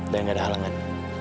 dan gak ada halangan